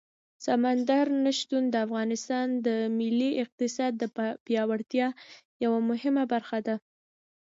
سمندر نه شتون د افغانستان د ملي اقتصاد د پیاوړتیا یوه مهمه برخه ده.